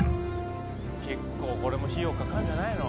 結構これも費用かかるんじゃないの？